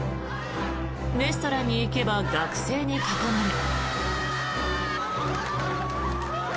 レストランに行けば学生に囲まれ。